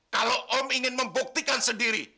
kalau om ingin membuktikan sendiri